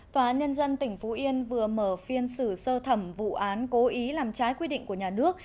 tòa nhân dân tỉnh phú yên vừa mở phiên xử sơ thẩm vụ án cố ý làm trái quy định của nhà nước